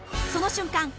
その瞬間